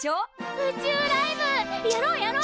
宇宙ライブやろうやろう！